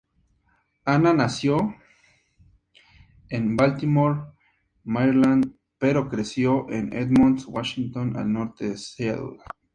Anna nació en Baltimore, Maryland, pero creció en Edmonds, Washington, al norte de Seattle.